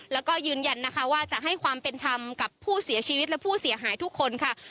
แล้วก็ยืนยันนะคะว่าจะให้ความเป็นธรรมกับผู้เสียชีวิตและผู้เสียหายทุกคนค่ะ